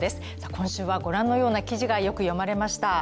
今週はご覧のような記事がよく読まれました。